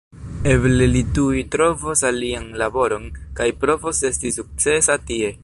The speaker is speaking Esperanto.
Eble li tuj trovos alian laboron, kaj provos esti sukcesa tie.